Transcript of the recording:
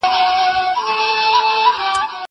زه اجازه لرم چي ليک ولولم.